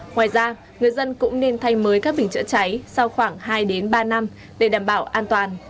ngoài ra người dân cũng nên thay mới các bình chữa cháy sau khoảng hai ba năm để đảm bảo an toàn